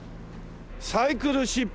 サイクルシップ。